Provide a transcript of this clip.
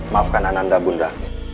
maafkan ananda bunda